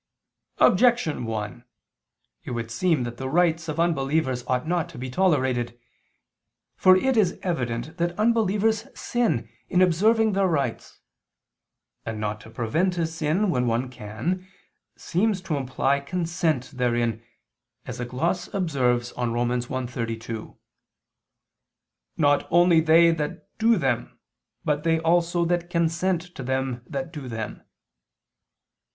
Objection 1: It would seem that rites of unbelievers ought not to be tolerated. For it is evident that unbelievers sin in observing their rites: and not to prevent a sin, when one can, seems to imply consent therein, as a gloss observes on Rom. 1:32: "Not only they that do them, but they also that consent to them that do them."